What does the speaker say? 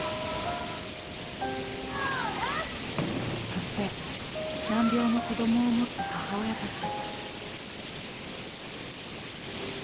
そして難病の子供をもつ母親たち。